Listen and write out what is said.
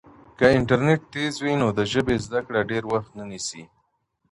که انټرنیټ تېز وي نو د ژبې زده کړه ډېر وخت نه نیسي.